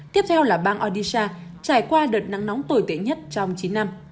tiếp theo là bang audisha trải qua đợt nắng nóng tồi tệ nhất trong chín năm